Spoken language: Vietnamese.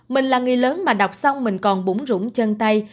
mình là người lớn mà đọc xong mình còn búng rũng chân tay